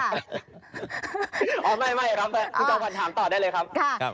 ไม่ครับคุณจอมขวัญถามต่อได้เลยครับ